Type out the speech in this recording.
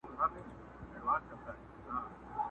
سلطنت وو په ځنګلو کي د زمریانو،